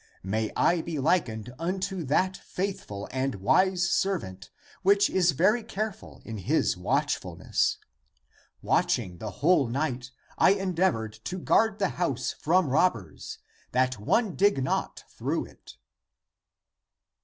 May I be likened unto that faithful and wise servant which is very careful in his watchfulness. Watch ing the whole night, I endeavored to guard the house from robbers, that one dig not through it.